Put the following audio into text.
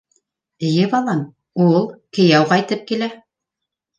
Эйе, балам, ул, кейәү ҡайтып килә.